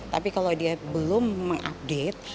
tapi kalau dia belum mengupdate